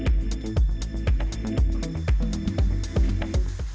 jadi kita bisa membuatnya lebih mudah